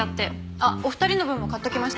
あっお二人の分も買っておきました。